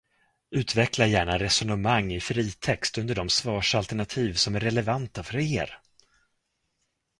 Utveckla gärna resonemang i fritext under de svarsalternativ som är relevanta för er.